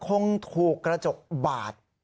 คงถูกกระจกบาด